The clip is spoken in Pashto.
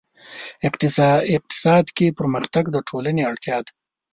اقتصاد کې پرمختګ د ټولنې اړتیا ده.